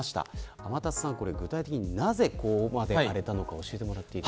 天達さん、具体的になぜここまで荒れたのか教えてください。